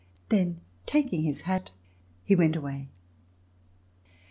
Then taking his hat, he went away.